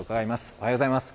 おはようございます。